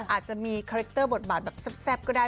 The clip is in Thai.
อาจจะมีคาแรคเตอร์บทบาทแบบแซ่บก็ได้